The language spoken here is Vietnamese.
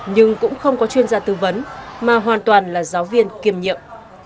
nhưng cũng không có chuyên gia tư vấn mà hoàn toàn là giáo viên kiêm nhiệm